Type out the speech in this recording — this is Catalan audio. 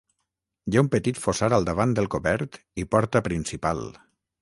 Hi ha un petit fossar al davant del cobert i porta principal.